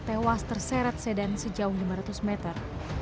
tewas terseret sedan sejauh lima ratus meter